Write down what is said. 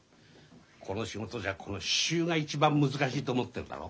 この仕事じゃこの刺繍が一番難しいと思ってんだろ？